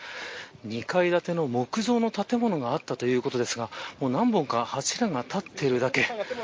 ２階建ての木造の建物があったということですがもう何本か柱が立っているだけ。